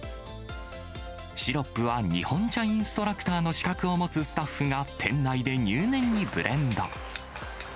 シロップは日本茶インストラクターの資格を持つスタッフが店内で入念にブレンド。